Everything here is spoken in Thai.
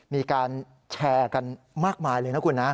มีการแชร์กันมากมายเลยนะคุณนะ